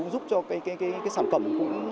giúp cho sản phẩm